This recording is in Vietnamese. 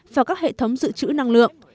và các hệ thống dự trữ năng lượng